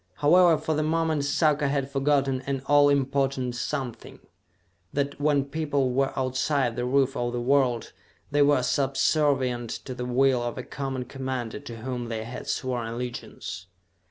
However, for the moment Sarka had forgotten an all important something: that, when people were outside the roof of the world, they were subservient to the will of a common commander to whom they had sworn allegiance.